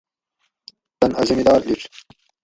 تۤن اۤ زمیدار لِیڛ